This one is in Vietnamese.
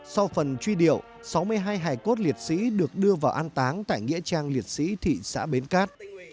sau phần truy điệu sáu mươi hai hải cốt liệt sĩ được đưa vào an táng tại nghĩa trang liệt sĩ thị xã bến cát